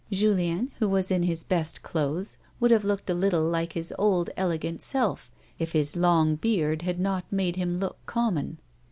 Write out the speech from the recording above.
Julien, who was in his best clothes, would have looked a little like his old, elegant self, if his long beard had not made him look common.